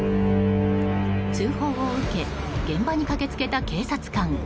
通報を受け現場に駆けつけた警察官。